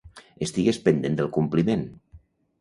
Estigues pendent del compliment.